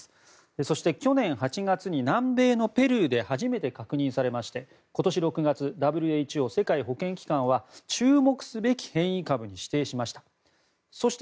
そして、去年８月に南米のペルーで初めて確認されまして今年６月ＷＨＯ・世界保健機関は注目すべき変異株に指定しました。